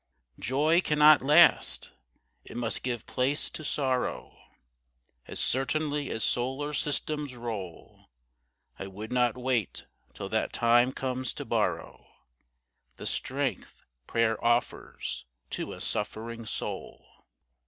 Joy cannot last; it must give place to sorrow As certainly as solar systems roll. I would not wait till that time comes to borrow The strength prayer offers to a suffering soul.